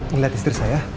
nih liat istri saya